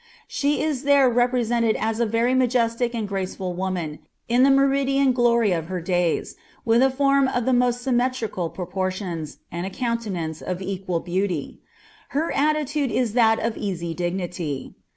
She is there represented ae a ■J. iimjesiic and graceful wonnn, in the meridian glory of her days, tilh a fofiu of the nio«l symmetrical proportions, and a coontenance of qual beauty. Her aiiLinde is thai of easy dignity.